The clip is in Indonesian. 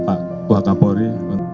pak wata puri